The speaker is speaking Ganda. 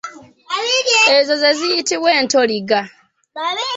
Ezo ze ziyitibwa entoliga.